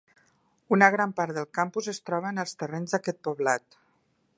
Una gran part del campus es troba en els terrenys d'aquest poblat.